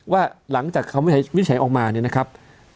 ว่าหลังจากคำวินิจฉัยออกมาเนี่ยนะครับ